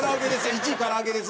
１位から揚げです。